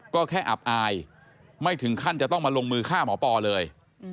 ก็แค่อับอายไม่ถึงขั้นจะต้องมาลงมือฆ่าหมอปอเลย